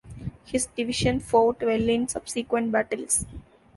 His division fought well in subsequent battles.